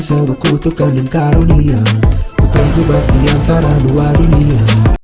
sebuah kutu kandung karunia putar jebak diantara dua dunia